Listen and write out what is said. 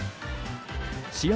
試合